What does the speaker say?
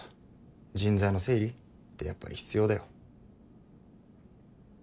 人材の整理？ってやっぱり必要だよ。